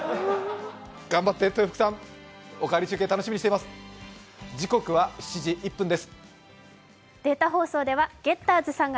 頑張って、豊福さん、「おかわり中継」楽しみにしています。